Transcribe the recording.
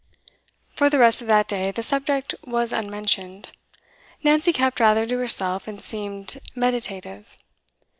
For the rest of that day the subject was unmentioned. Nancy kept rather to herself, and seemed meditative.